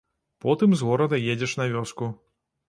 Потым з горада едзеш на вёску.